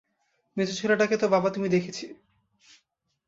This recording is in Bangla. মেজো ছেলেটাকে তো বাবা তুমি দেখেছি।